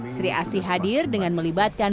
sri asih hadir dengan melibatkan